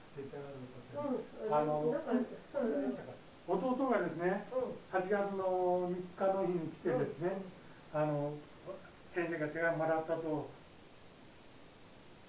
弟がですね８月３日の日に来てですね先生から手紙をもらったと。